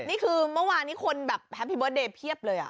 นี่คือเมื่อวานนี้คนแบบแฮปปี้เบิร์ตเดย์เพียบเลย